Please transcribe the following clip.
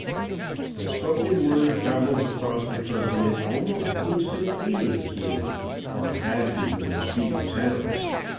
The spoken word travels across the continent almost instantaneously, far faster than the speed of sound.